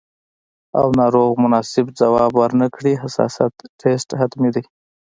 او ناروغ مناسب ځواب ورنکړي، حساسیت ټسټ حتمي دی.